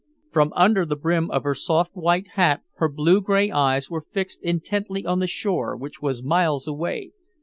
From under the brim of her soft white hat her blue gray eyes were fixed intently on the shore, which was miles away.